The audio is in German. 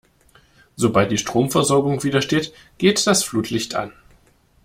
Sobald die Stromversorgung wieder steht, geht das Flutlicht an.